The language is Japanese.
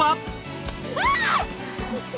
あっ！